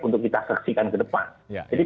untuk kita saksikan ke depan jadi